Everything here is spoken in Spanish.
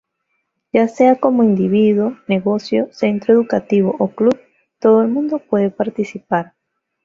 Ya sea como individuo, negocio, centro educativo o club, todo el mundo puede participar.